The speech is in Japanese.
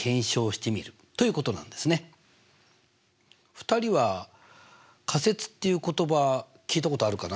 ２人は仮説っていう言葉聞いたことあるかな？